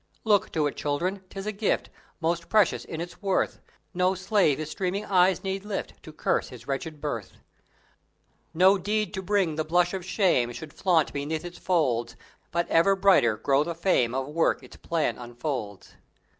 Look to it, Children! 'Tis a gift Most precious in its worth; No slave his streaming eyes need lift To curse his wretched birth! No deed to bring the blush of shame Should flaunt beneath its folds; But ever brighter grow the fame Of work its plan unfolds.